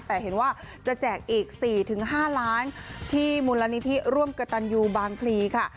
แต่เห็นว่าจะแจกอีก๔๕ล้านที่มูลนิธิร่วมกระตันยูบางพลีค่ะ